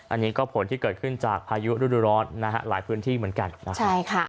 อันนี้ก็ผลที่เกิดขึ้นจากพายุฤดูร้อนนะฮะหลายพื้นที่เหมือนกันนะครับ